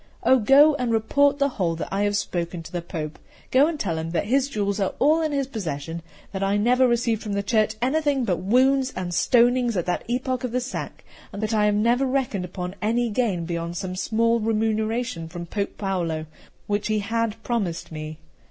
Oh, go and report the whole that I have spoken to the Pope; go and tell him that his jewels are all in his possession; that I never received from the Church anything but wounds and stonings at that epoch of the sack; that I never reckoned upon any gain beyond some small remuneration from Pope Paolo, which he had promised me.